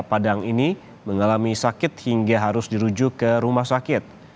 padang ini mengalami sakit hingga harus dirujuk ke rumah sakit